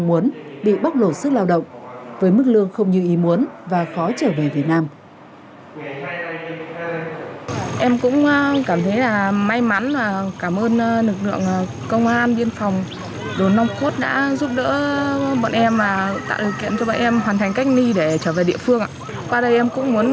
các trường hợp này cũng bị bắt lộ sức lao động với mức lương không như ý muốn và khó trở về việt nam